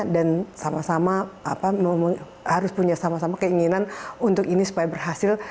dan harus punya sama sama keinginan untuk ini supaya berhasil